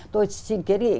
tôi xin kết nghị